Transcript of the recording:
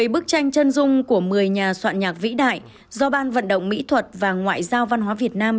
bảy bức tranh chân dung của một mươi nhà soạn nhạc vĩ đại do ban vận động mỹ thuật và ngoại giao văn hóa việt nam